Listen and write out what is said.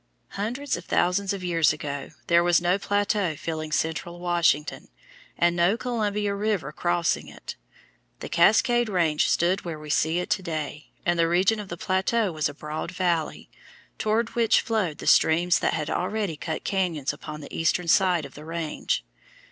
Hundreds of thousands of years ago there was no plateau filling central Washington, and no Columbia River crossing it. The Cascade Range stood where we see it to day, and the region of the plateau was a broad valley, toward which flowed the streams that had already cut cañons upon the eastern side of the range.